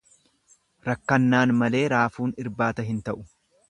Rakkannaan malee raafuun irbaata hin ta'u.